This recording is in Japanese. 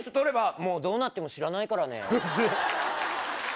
もうどうなっても知らないからねムズッ！